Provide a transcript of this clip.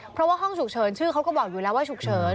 เพราะว่าห้องฉุกเฉินชื่อเขาก็บอกอยู่แล้วว่าฉุกเฉิน